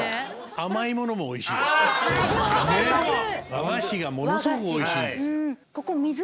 和菓子がものすごくおいしいんです。